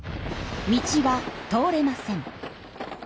道は通れません。